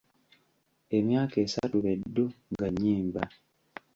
Emyaka asatu be ddu nga nnyimba.